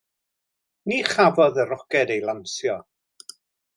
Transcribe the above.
Ni chafodd y roced ei lansio.